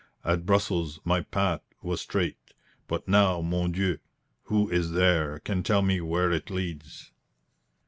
At Brussels my path was straight; but now, mon Dieu! who is there can tell me where it leads?"